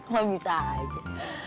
gak bisa aja